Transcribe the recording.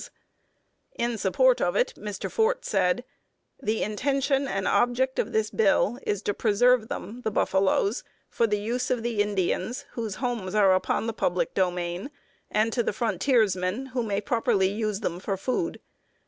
] In support of it Mr. Fort said: "The intention and object of this bill is to preserve them [the buffaloes] for the use of the Indians, whose homes are upon the public domain, and to the frontiersmen, who may properly use them for food.